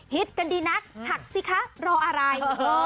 กันดีนักหักสิคะรออะไร